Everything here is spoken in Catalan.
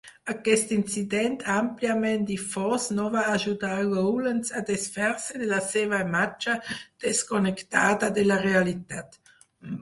Aquest incident àmpliament difós no va ajudar Rowlands a desfer-se de la seva imatge desconnectada de la realitat.